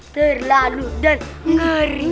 terlalu dan ngeri